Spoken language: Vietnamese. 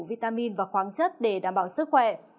viết chung cho các tỉnh